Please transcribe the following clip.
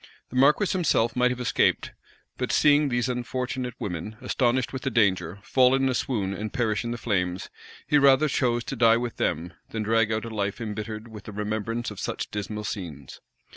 The marquis himself might have escaped; but seeing these unfortunate women, astonished with the danger, fall in a swoon, and perish in the flames, he rather chose to die with them, than drag out a life imbittered with the remembrance of such dismal scenes.